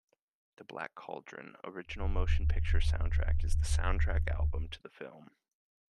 The Black Cauldron: Original Motion Picture Soundtrack is the soundtrack album to the film.